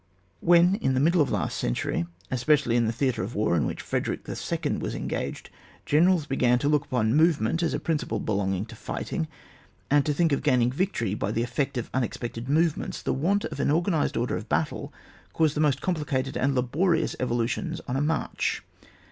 When in the middle of the last century, especially in the theatre of war in which Frederick II. was eiigaged, generals began to look upon movement as a principle belong^ug to fighting, and to think of gaining the victory by the effect of unexpected movements, the want of an organised order of battle caused the most complicated and laborious evolu tions on a march.